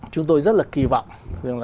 chúng tôi rất là kì vọng